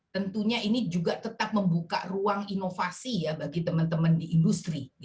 tentunya ini juga tetap membuka ruang inovasi ya bagi teman teman di industri